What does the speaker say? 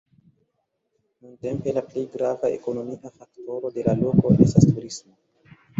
Nuntempe la plej grava ekonomia faktoro de la loko estas turismo.